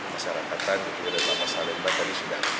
masyarakatan dan juga dalam masalah lembah tadi sudah cat cat